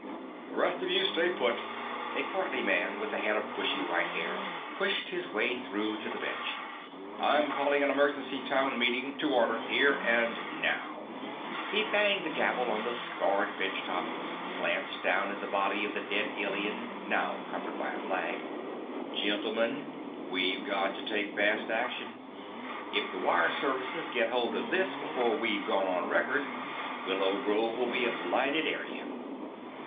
"The rest of you stay put!" a portly man with a head of bushy white hair pushed his way through to the bench. "I'm calling an emergency Town Meeting to order here and now!" He banged the gavel on the scarred bench top, glanced down at the body of the dead alien, now covered by a flag. "Gentlemen, we've got to take fast action. If the wire services get hold of this before we've gone on record, Willow Grove'll be a blighted area."